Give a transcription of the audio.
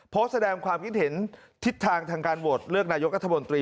โพสต์แสดงความคิดเห็นทิศทางทางการโหวตเลือกนายกัธมนตรี